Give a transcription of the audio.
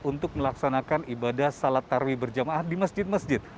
untuk melaksanakan ibadah sholat tarwih berjamaah di masjid masjid